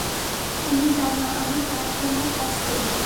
তুমি জান আমি কার জন্য কাজ করি?